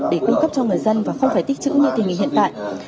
để cung cấp cho người dân và không phải tích chữ như tình hình hiện tại